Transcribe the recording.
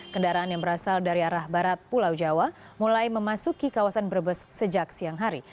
kendaraan yang berasal dari arah barat pulau jawa mulai memasuki kawasan brebes sejak siang hari